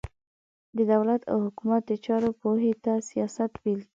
د دولت او حکومت د چارو پوهي ته سياست ويل کېږي.